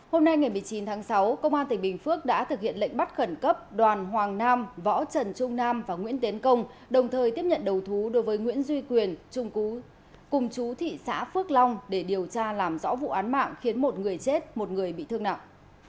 hôm nay ngày một mươi chín tháng sáu công an tỉnh bình phước đã thực hiện lệnh bắt khẩn cấp đoàn hoàng nam võ trần trung nam và nguyễn tiến công đồng thời tiếp nhận đầu thú đối với nguyễn duy quyền cùng chú thị xã phước long để điều tra làm rõ vụ án mạng khiến một người chết một người bị thương nặng